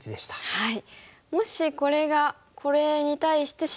はい。